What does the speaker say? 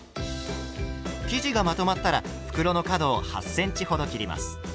生地がまとまったら袋の角を８ｃｍほど切ります。